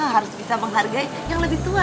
harus bisa menghargai yang lebih tua